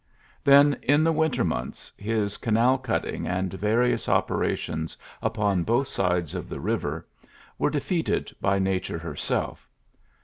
Then in the winter months his canal cutting, and various operations upon both sides of the river, were de feated by Nature herself.